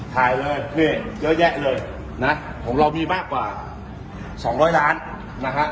ถ่ายเลยนี่เยอะแยะเลยนะของเรามีมากกว่า๒๐๐ล้านนะฮะ